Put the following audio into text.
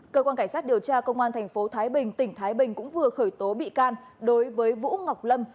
cơ quan cảnh sát điều tra công an tp thái bình tỉnh thái bình cũng vừa khởi tố bị can đối với vũ ngọc lâm